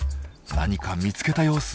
何か見つけた様子。